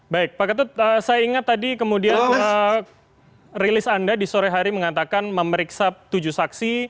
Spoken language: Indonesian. baik pak ketut saya ingat tadi kemudian rilis anda di sore hari mengatakan memeriksa tujuh saksi